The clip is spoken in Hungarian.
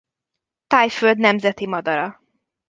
Thaiföld nemzeti madara.